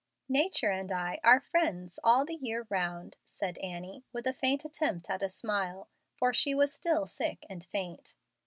"Nature and I are friends all the year round," said Annie, with a faint attempt at a smile, for she was still sick and faint.